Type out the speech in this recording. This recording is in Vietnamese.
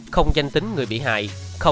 không danh tính người bị hại